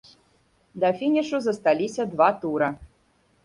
Да фінішу засталіся два тура.